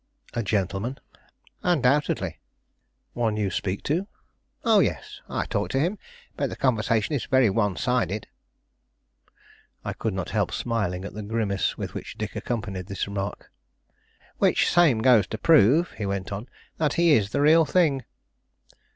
"A gentleman?" "Undoubtedly." "One you speak to?" "Oh, yes; I talk to him, but the conversation is very one sided." I could not help smiling at the grimace with which Dick accompanied this remark. "Which same goes to prove," he went on, "that he is the real thing."